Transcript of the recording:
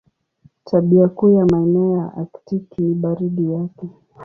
Tabia kuu ya maeneo ya Aktiki ni baridi yake.